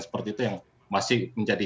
seperti itu yang masih menjadi